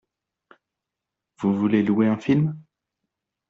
Vous voulez louer un film ?